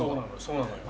そうなのよ。